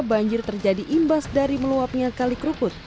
banjir terjadi imbas dari meluapnya kali kerukut